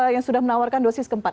yang sudah menawarkan dosis keempat